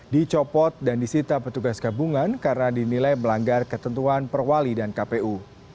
dicopot dan disita petugas gabungan karena dinilai melanggar ketentuan perwali dan kpu